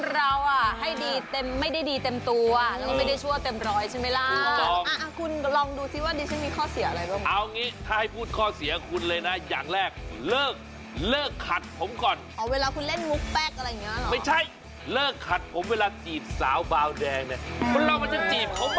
เราจะทำสิ่งดีทั้งงานมันจะมีข้อเสียได้ยังไงแล้วไม่ต้อง